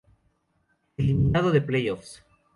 Eliminado de playoffs.